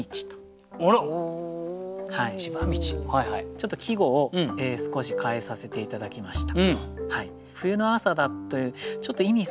ちょっと季語を少し変えさせて頂きました。